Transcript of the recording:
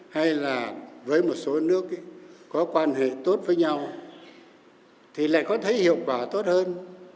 hay là với một số nước có quan hệ tốt với nhau thì lại có thấy hiệu quả tốt hơn